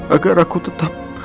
agar aku tetap